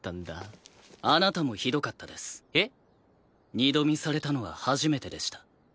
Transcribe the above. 二度見されたのは初めてでした。